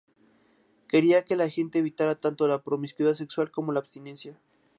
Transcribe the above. Quería que la gente evitara tanto la promiscuidad sexual como la abstinencia.